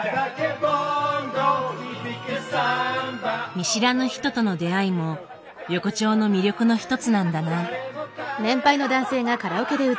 見知らぬ人との出会いも横丁の魅力の一つなんだな。